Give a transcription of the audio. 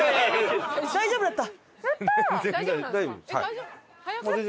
大丈夫だった！